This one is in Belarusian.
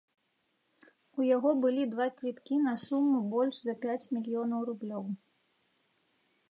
У яго былі два квіткі на суму больш за пяць мільёнаў рублёў.